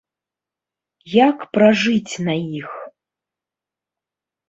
Як пражыць на іх?